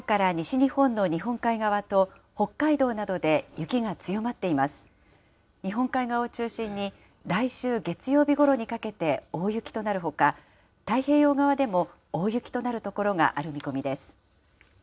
日本海側を中心に、来週月曜日ごろにかけて大雪となるほか、太平洋側でも大雪となる所がある見込みです。